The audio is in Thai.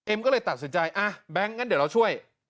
ก็เลยตัดสินใจอ่ะแบงค์งั้นเดี๋ยวเราช่วย